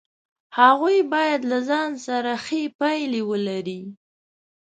هغوی باید له ځان سره ښې پایلې ولري.